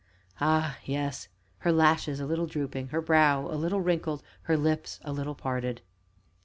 Ah, yes! her lashes a little drooping, her brows a little wrinkled, her lips a little parted.